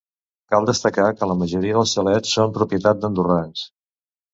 Cal destacar que la majoria dels xalets són propietat d'andorrans.